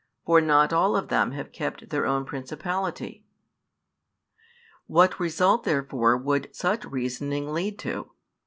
For not all of them have kept their own principality." What result therefore would such reasoning lead to?